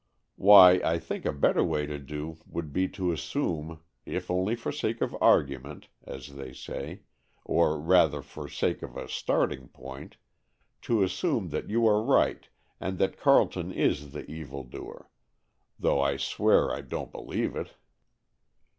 "Why, I think a better way to do would be to assume, if only for sake of argument, as they say, or rather for sake of a starting point—to assume that you are right and that Carleton is the evil doer, though I swear I don't believe it."